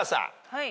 はい。